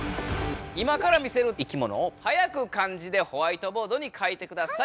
今から見せるいきものをはやく漢字でホワイトボードに書いてください。